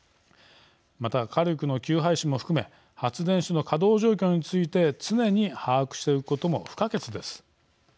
また、火力の休廃止も含め発電所の稼働状況について常に把握しておくことも不可欠です。